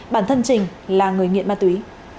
bản thân trình là người nghiện ma túy